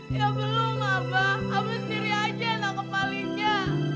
ya belum abah abah sendiri aja yang nangkap malingnya